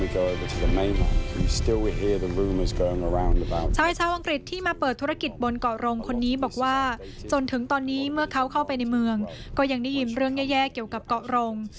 ชายชาวอังกฤษที่มาเปิดธุรกิจบนเกาะรงคนนี้บอกว่าจนถึงตอนนี้เมื่อเขาเข้าไปในเมืองก็ยังได้ยินเรื่องแย่เกี่ยวกับเกาะรง